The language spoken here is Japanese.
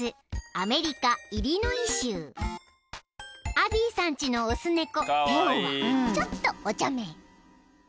［アビーさんちの雄猫テオはちょっとおちゃめ］